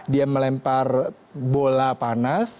dia melempar bola panas